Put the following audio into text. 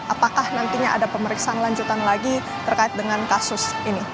apakah nantinya ada pemeriksaan lanjutan lagi terkait dengan kasus ini